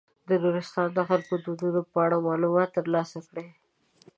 د نورستان د خلکو د دودونو په اړه معلومات تر لاسه کړئ.